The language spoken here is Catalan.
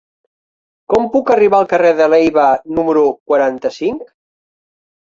Com puc arribar al carrer de Leiva número quaranta-cinc?